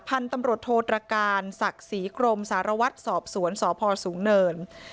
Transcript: ภันตรฐรโทษระการศักดิ์ศรีกรมสารวัตรสอบสวนสพศูนย์